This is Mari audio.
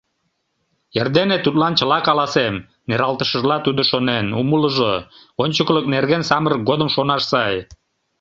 «Эрдене тудлан чыла каласем, — нералтышыжла тудо шонен, — умылыжо: ончыклык нерген самырык годым шонаш сай...